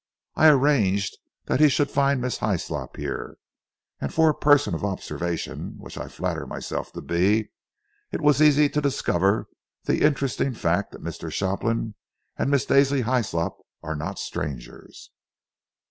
I arranged that he should find Miss Hyslop here, and for a person of observation, which I flatter myself to be, it was easy to discover the interesting fact that Mr. Shopland and Miss Daisy Hyslop were not strangers.